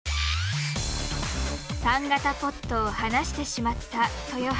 ３型ポットを離してしまった豊橋。